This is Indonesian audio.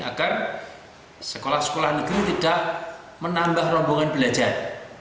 agar sekolah sekolah negeri tidak menambah rombongan belajar